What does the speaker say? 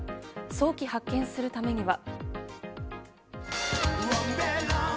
早期発見するためには。